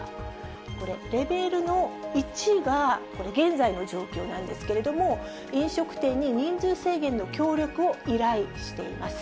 これ、レベルの１がこれ、現在の状況なんですけれども、飲食店に人数制限の協力を依頼しています。